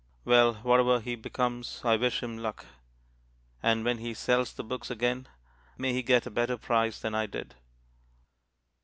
Well, whatever he becomes, I wish him luck. And when he sells the books again, may he get a better price than I did.